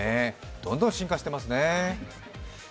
どんどん進化してますね。